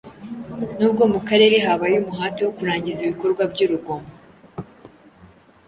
Nubwo mu karere habaye umuhate wo kurangiza ibikorwa by'urugomo